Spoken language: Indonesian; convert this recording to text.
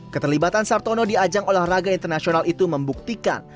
keterlibatan sartono di ajang olahraga internasional itu membuktikan